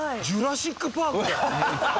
『ジュラシック・パーク』じゃん！